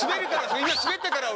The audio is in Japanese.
滑るから。